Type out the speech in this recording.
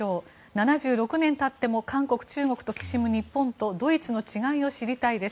７６年経っても中国、韓国ときしむ日本とドイツの違いを知りたいです。